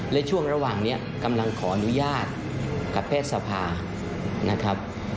และช่วงระหว่างนี้กำลังขออนุญาตกับแพทย์สภานะครับ